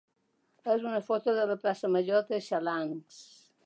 és una foto de la plaça major de Xalans.